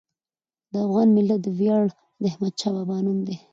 د افغان ملت ویاړ د احمدشاه بابا نوم دی.